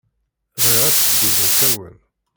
Bɣiɣ ad teddu d asawen.